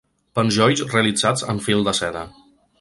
Penjolls realitzats en fil de seda.